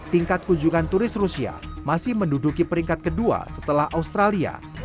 tingkat kunjungan turis rusia masih menduduki peringkat kedua setelah australia